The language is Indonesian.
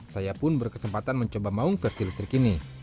saya pun berkesempatan mencoba maung versi listrik ini